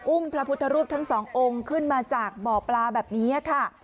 พระพุทธรูปทั้งสององค์ขึ้นมาจากบ่อปลาแบบนี้ค่ะ